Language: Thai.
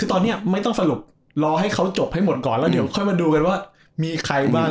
คือตอนนี้ไม่ต้องสรุปรอให้เขาจบให้หมดก่อนแล้วเดี๋ยวค่อยมาดูกันว่ามีใครบ้าง